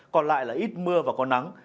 còn lại là ít mưa và có nắng